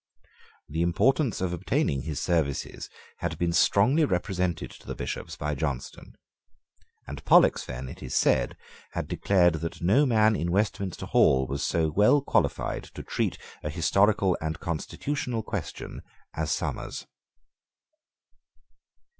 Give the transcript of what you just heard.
The importance of obtaining his services had been strongly represented to the Bishops by Johnstone; and Pollexfen, it is said, had declared that no man in Westminster Hall was so well qualified to treat a historical and constitutional question as Somers.